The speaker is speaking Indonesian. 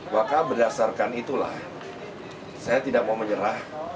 maka berdasarkan itulah saya tidak mau menyerah